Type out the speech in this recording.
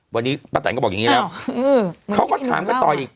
วันนี้ป้าแตนก็บอกอย่างนี้แล้วเขาก็ถามกันต่ออีก